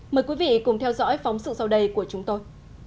mời quý vị cùng theo dõi phóng sự sau đây của chúng tôi